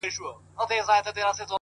o څومره چي يې مينه كړه،